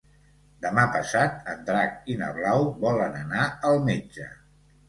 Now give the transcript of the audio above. Demà passat en Drac i na Blau volen anar al metge.